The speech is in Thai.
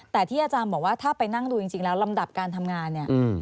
แต่ที่อาจารย์บอกว่าถ้าไปนั่งดูจริงแล้วลำดับการทำงานเนี่ย